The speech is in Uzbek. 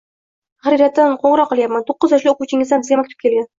Tahririyatdan qo`ng`iroq qilayapman, to`qqiz yoshli o`quvchingizdan bizga maktub kelgan